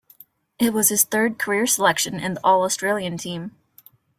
It was his third career selection in the All-Australian team.